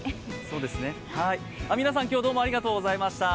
皆さん、今日、どうもありがとうございました。